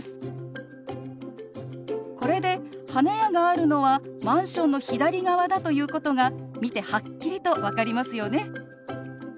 これで花屋があるのはマンションの左側だということが見てはっきりと分かりますよね。